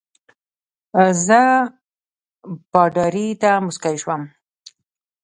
زه پادري ته مسکی شوم.